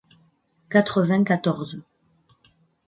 quatre-vingt-quatorze